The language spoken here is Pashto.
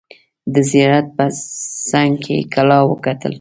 د زیارت په څنګ کې کلا وکتل.